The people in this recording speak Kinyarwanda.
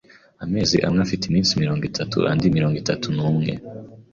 Amezi amwe afite iminsi mirongo itatu, andi mirongo itatu numwe.